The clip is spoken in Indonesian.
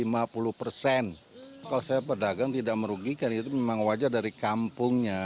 kalau saya pedagang tidak merugikan itu memang wajar dari kampungnya